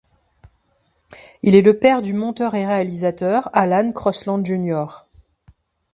Il est le père du monteur et réalisateur Alan Crosland Jr.